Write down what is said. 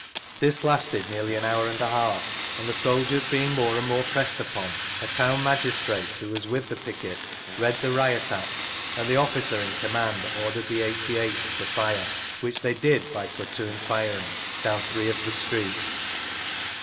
This lasted nearly an hour and a half, and the soldiers being OKtre and more pressed upon, a town magistrate, who was with the picket, read the Riot Act, and the officer in command ordered the 88th to fire (which they did by platoon tiring) down three of the streets.